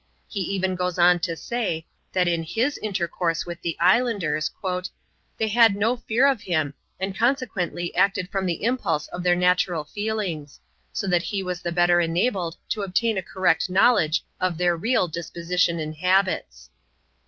He then goes on to say, that in his intercourse with the islanders, " they had no fear of him, and consequently acted from the impulse of their natural feelings ; so that he was the better enabled to obtain a correct knowledge of their real dis position and habits."